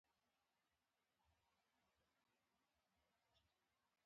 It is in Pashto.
هلته چېک اېن وکړم.